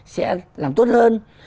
sẽ làm tốt hơn